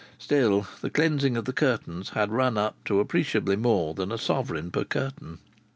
Still, the cleansing of the curtains had run up to appreciably more than a sovereign per curtain.